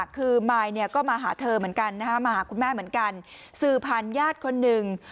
คือมายเนี่ยก็มาหาเธอเหมือนกันนะฮะมาหาคุณแม่เหมือนกันสื่อผ่านญาติคนหนึ่ง